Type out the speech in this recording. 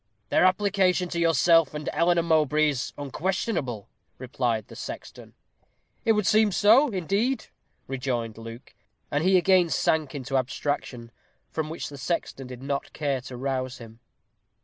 "Their application to yourself and Eleanor Mowbray is unquestionable," replied the sexton. "It would seem so, indeed," rejoined Luke; and he again sank into abstraction, from which the sexton did not care to arouse him.